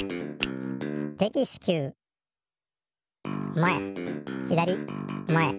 まえひだりまえ。